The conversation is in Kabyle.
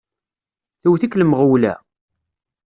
Tewwet-ik lmeɣwla!